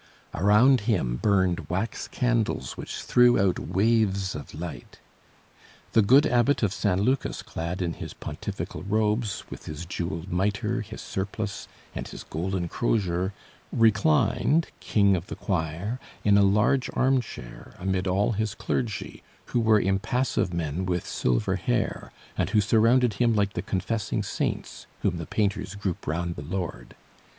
Around him burned wax candles, which threw out waves of light. The good Abbot of San Lucas, clad in his pontifical robes, with his jeweled mitre, his surplice and his golden crozier reclined, king of the choir, in a large armchair, amid all his clergy, who were impassive men with silver hair, and who surrounded him like the confessing saints whom the painters group round the Lord.